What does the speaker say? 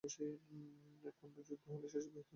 একটি খন্ডযুদ্ধ শেষ হলেও বৃহত্তর সংগ্রাম অব্যাহত ছিল।